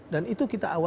dan itu kita awal awal